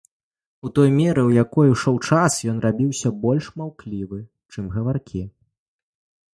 У той меры, у якой ішоў час, ён рабіўся больш маўклівы, чым гаваркі.